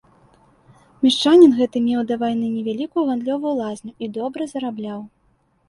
Мешчанін гэты меў да вайны невялікую гандлёвую лазню і добра зарабляў.